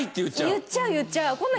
言っちゃう言っちゃう。